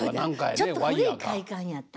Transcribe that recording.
ちょっと古い会館やった。